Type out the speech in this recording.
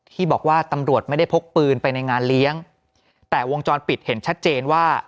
ที่บอกว่าตำรวจไม่ได้พกปืนไปในงานเลี้ยงแต่วงจรปิดเห็นชัดเจนว่า